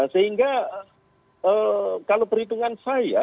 sehingga kalau perhitungan saya